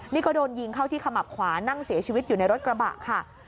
นี่ก็โดนยิงเข้าที่ขมับขวานั่งเสียชีวิตอยู่ในรถกระบะค่ะ